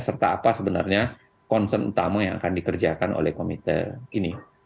serta apa sebenarnya concern utama yang akan dikerjakan oleh komite ini